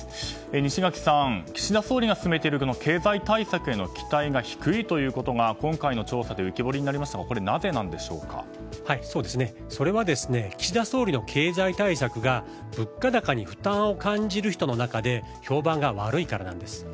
西垣さん、岸田総理が進めている経済対策への期待が低いということが今回の調査で浮き彫りになりましたがそれは、岸田総理の経済対策が物価高に負担を感じる人の中で評判が悪いからなんです。